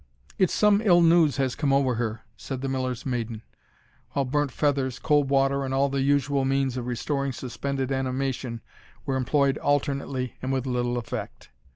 "It's some ill news has come ower her," said the miller's maiden; while burnt feathers, cold water, and all the usual means of restoring suspended animation, were employed alternately, and with little effect.